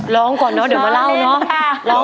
ร้องก่อนเนอะเดี๋ยวมาเล่าเนอะ